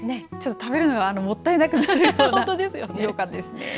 食べるのがもったいなくなるような、ようかんですね。